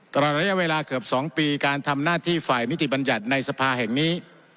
ตลอดระยะเวลาเกือบ๒ปีการทำหน้าที่ฝ่ายนิติบัญญัติในสภาแห่งนี้